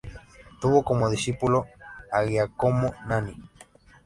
Tuvo como discípulo a Giacomo Nani.